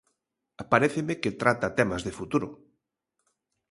Paréceme que trata temas de futuro.